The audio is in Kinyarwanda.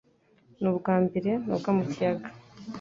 Ni ubwambere noga mu kiyaga.